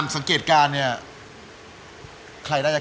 หมวกปีกดีกว่าหมวกปีกดีกว่า